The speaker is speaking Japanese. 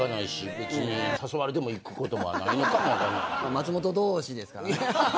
「松本」同士ですからね。